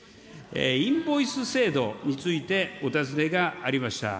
インボイス制度についてお尋ねがありました。